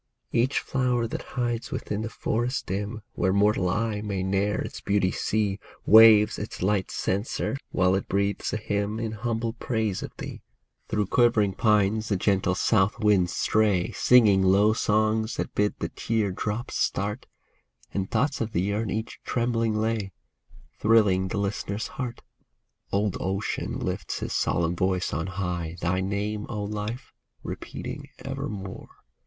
Each flower that hides within the forest dim. Where mortal eye may ne'er its beauty see, Waves its light censer, while it breathes a hymn In humble praise of thee. HYMN TO LIFE 1/ Through quivering pines the gentle south winds stray, Singing low songs that bid the tear drops start ; And thoughts of thee are in each trembling lay, Thrilling the listener's heart. Old Ocean lifts his solemn voice on high, Thy name, O Life, repeating evermore.